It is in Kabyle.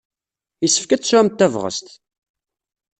Yessefk ad tesɛumt tabɣest.